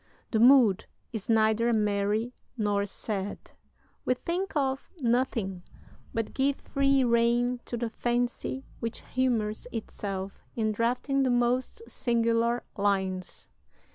The mood is neither merry nor sad. We think of nothing, but give free rein to the fancy which humors itself in drafting the most singular lines.